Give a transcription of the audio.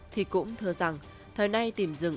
thì cũng thưa rằng thời nay tìm rừng